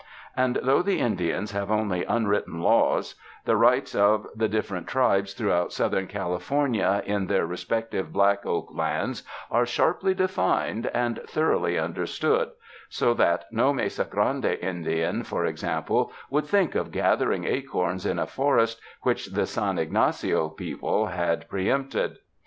And though the Indians have only unwritten laws, the rights of the different 87 UNDER THE SKY IN CALIFORNIA tribes throughout Southern California in their re spective black oak lands are sharply defined and thoroughly understood, so that no Mesa Grande Indian, for instance, would think of gathering acorns in a forest which the San Ygnacio people had pre empted.